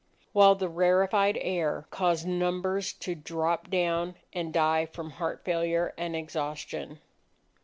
While the rarefied air caused numbers to drop down and die from heart failure and exhaustion.